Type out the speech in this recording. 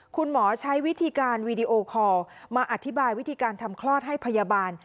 คุณหมอใช้วิธีการวีดีโอคอลมาอธิบายวิธีการทำคลอดให้พยาบาล